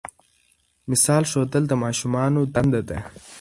مثال ښودل د ماشومانو دنده ده.